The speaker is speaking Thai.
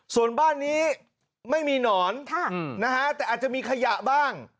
ส่วนบ้านนี้ไม่มีหนอนแต่อาจจะมีขยะบ้าง